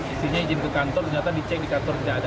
isinya izin ke kantor ternyata dicek di kantor tidak ada